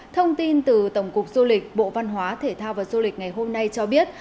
thông tin từ tổng cục du lịch bộ văn hóa thể thao và du lịch ngày hôm nay cho biết